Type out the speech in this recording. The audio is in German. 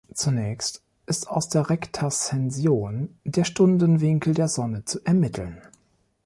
Zunächst ist aus der Rektaszension der Stundenwinkel der Sonne zu ermitteln.